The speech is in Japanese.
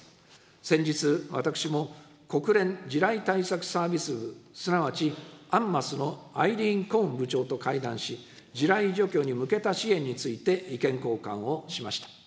先日、私も国連地雷対策サービス部、すなわちＵＮＭＡＳのアイリーン・コーン部長と会談し、地雷除去に向けた支援について意見交換をしました。